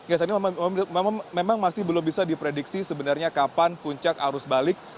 ya saat ini memang masih belum bisa diprediksi sebenarnya kapan puncak arus balik